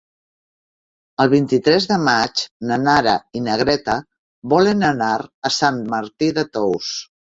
El vint-i-tres de maig na Nara i na Greta volen anar a Sant Martí de Tous.